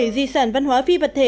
bảy di sản văn hóa phi vật thể